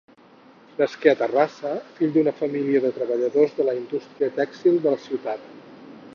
Nasqué a Terrassa, fill d'una família de treballadors de la indústria tèxtil de la ciutat.